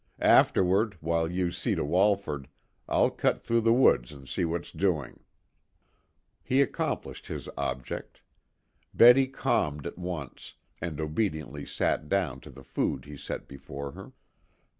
Afterward, while you see to Walford, I'll cut through the woods and see what's doing." He accomplished his object. Betty calmed at once, and obediently sat down to the food he set before her.